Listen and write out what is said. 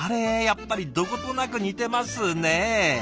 やっぱりどことなく似てますね。